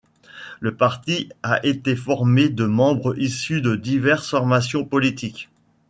Le parti a été formé de membres issus de diverses formations politiques.